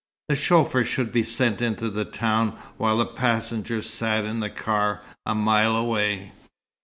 The chauffeur should be sent into the town while the passengers sat in the car a mile away.